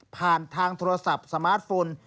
ทางโทรศัพท์สมาร์ทโฟน